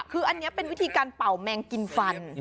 คืออันนี้เป็นวิธีการเป่าแมงกินฟัน